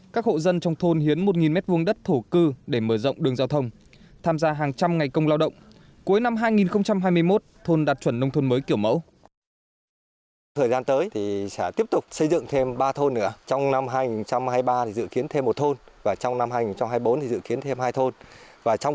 các hộ dân trong thôn hiến một m hai đất thổ cư để mở rộng đường giao thông tham gia hàng trăm ngày công lao động